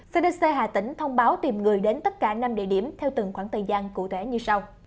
cdc hà tĩnh thông báo tìm người đến tất cả năm địa điểm theo từng khoảng thời gian cụ thể như sau